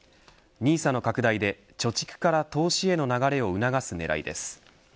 ＮＩＳＡの拡大で貯蓄から投資への流れを促す狙いです。